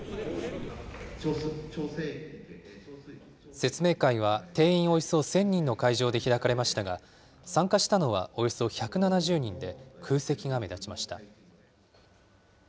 説明会は定員およそ１０００人の会場で開かれましたが、参加したのはおよそ１７０人で、空席が目立ちました。